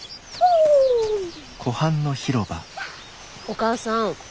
お義母さん